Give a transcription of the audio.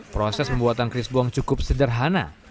proses pembuatan krispong cukup sederhana